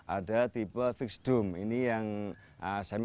ada tipe fixed dome ini yang saya